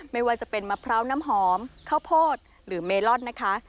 ไม่ว่าจะเป็นมะพร้าวน้ำหอมข้าวโพดหรือเมลอนนะคะ